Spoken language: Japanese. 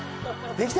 できた！